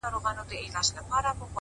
سـتـــا خــبــــــري دي~